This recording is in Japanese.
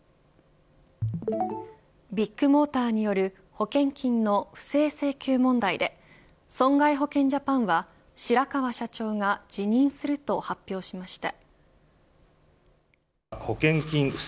ビッグモーターによる保険金の不正請求問題で損害保険ジャパンは白川社長が辞任すると発表しました。